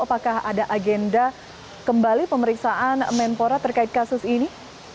apakah ada agenda kembali pemeriksaan menpora terkait kasus ini